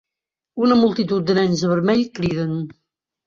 Una multitud de nens de vermell criden